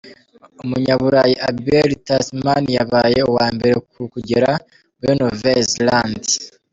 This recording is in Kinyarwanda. Umunyaburayi Abel Tasman yabaye uwa mbere ku kugera muri Nouvelle Zalande.